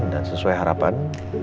dan sesuai harapan